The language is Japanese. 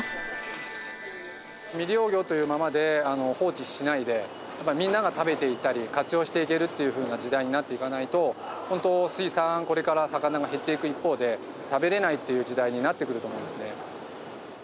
未利用魚というままで放置しないでみんなが食べていったり活用していけるっていうふうな時代になっていかないとこれから魚が減っていく一方で食べられないっていう時代になってくると思うんですね。